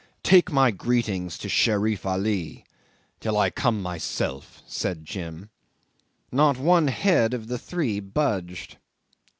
"Take my greetings to Sherif Ali till I come myself," said Jim. Not one head of the three budged.